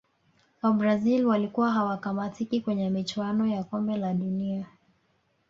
wabrazil walikuwa hawakamatiki kwenye michuano ya kombe la dunia